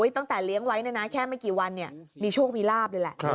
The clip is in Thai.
ตั้งแต่เลี้ยงไว้แค่ไม่กี่วันมีโชคมีลาบเลยแหละ